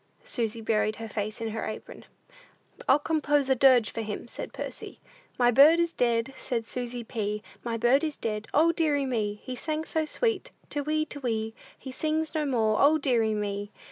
Susy buried her face in her apron. "I'll compose a dirge for him," said Percy. "My bird is dead, said Susy P., My bird is dead; O, deary me! He sang so sweet, te whee, te whee; He sings no more; O, deary me!